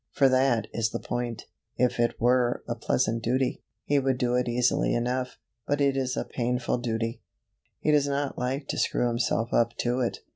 for that is the point. If it were a pleasant duty, he would do it easily enough; but it is a painful duty, he does not like to screw himself up to it.